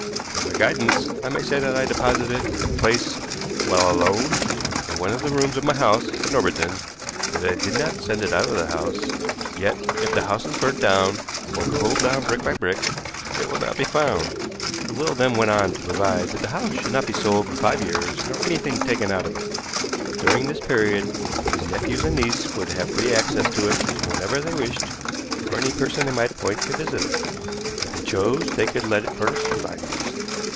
For their guidance I may say that I deposited it in this place while alone in one of the rooms of my house at Norbiton, that I did not send it out of the house, yet if the house is burnt down, or pulled down brick by brick, it will not be found." The will then went on to provide that the house should not be sold for five years, nor anything taken out of it. During this period his nephews and niece were to have free access to it whenever they wished, or any person they might appoint could visit it. If they chose they could let it furnished for five years.